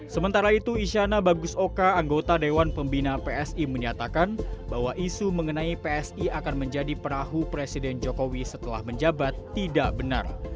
sementara itu isyana bagusoka anggota dewan pembina psi menyatakan bahwa isu mengenai psi akan menjadi perahu presiden jokowi setelah menjabat tidak benar